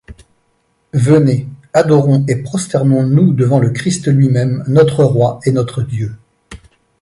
Venez, adorons et prosternons-nous devant le Christ Lui-même, notre Roi et notre Dieu.